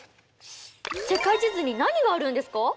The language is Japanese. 世界地図に何があるんですか？